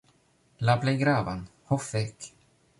La plej gravan. Ho fek.